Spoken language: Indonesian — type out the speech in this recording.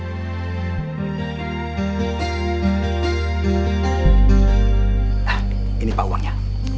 nah ini pak uangnya